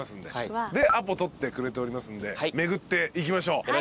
でアポ取ってくれておりますんで巡っていきましょう。